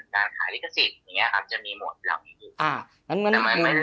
การขายลิขสิทธิ์นั้นเองอาจจะมีหมวดเหล่านี้